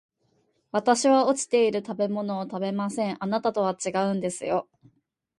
私は落ちている食べ物を食べません、あなたとは違うんですよ